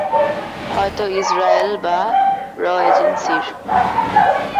হয়তো ইজরায়েল বা র এজেন্সির।